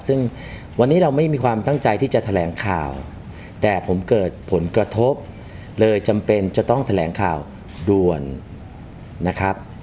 ซึ่งวันนี้เราไม่มีความตั้งใจที่จะแถลงข่าวแต่ผมเกิดผลกระทบเลยจำเป็นจะต้องแถลงข่าวด่วนนะครับ